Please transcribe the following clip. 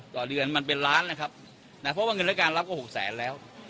ต่อเดือนมันเป็นล้านนะครับนะเพราะว่าเงินและการรับก็หกแสนแล้ว